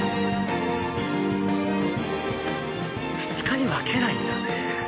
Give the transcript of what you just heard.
２日に分けないんだね。